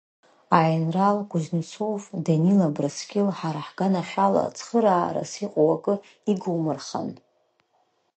Аинрал Кузнецов Данил Абраскьыл ҳара ҳганахь ала цхыраарас иҟоу акы игумырхан.